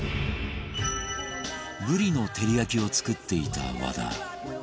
ブリの照り焼きを作っていた和田